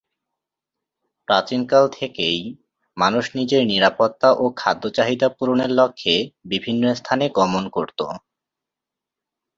প্রাচীন কাল থেকেই মানুষ নিজের নিরাপত্তা ও খাদ্যের চাহিদা পূরণের লক্ষ্যে বিভিন্ন স্থানে গমন করতো।